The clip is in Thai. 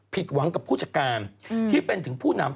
ผิดหวังกับผู้จัดการที่เป็นถึงผู้นำ